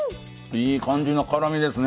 いい感じの辛みですね。